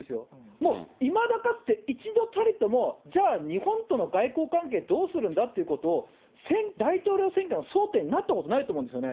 もう、いまだかつて、一度たりともじゃあ、日本との外交関係どうするんだっていうことを、大統領選挙の争点になったことないと思うんですよね。